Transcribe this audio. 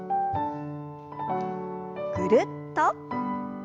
ぐるっと。